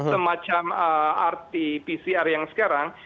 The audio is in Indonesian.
semacam rt pcr yang sekarang